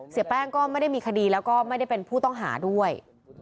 เสียแป้งก็ไม่ได้มีคดีแล้วก็ไม่ได้เป็นผู้ต้องหาด้วย